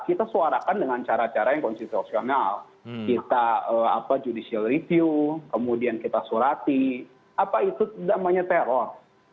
kita suarakan dengan cara cara yang konstitusional kita judicial review kemudian kita surati apa itu namanya teror